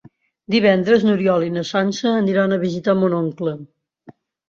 Divendres n'Oriol i na Sança aniran a visitar mon oncle.